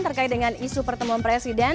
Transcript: terkait dengan isu pertemuan presiden